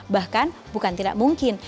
bahkan bukan tidak mungkin